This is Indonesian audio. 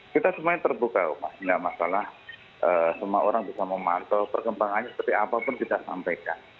kita semuanya terbuka tidak masalah semua orang bisa memantau perkembangannya seperti apapun kita sampaikan